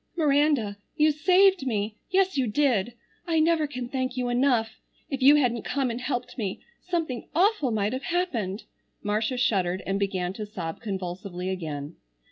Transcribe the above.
"Miranda, you saved me. Yes, you did. I never can thank you enough. If you hadn't come and helped me something awful might have happened!" Marcia shuddered and began to sob convulsively again.